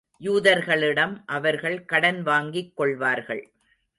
யூதர்களிடம் அவர்கள் கடன் வாங்கிக் கொள்வார்கள்.